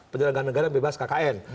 penjagaan negara yang bebas kkn